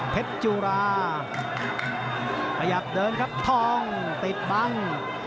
จุราขยับเดินครับทองติดบัง